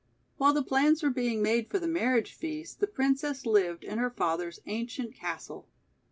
While the plans were being made for the marriage feast, the Princess lived in her father's ancient castle.